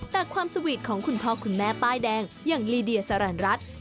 แต่ความสวีทของคุณพ่อคุณแม่ป้ายแดงอย่างลีเดียสารรัฐ